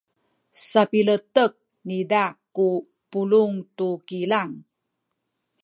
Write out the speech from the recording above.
sapiletek niza ku pulung tu kilang.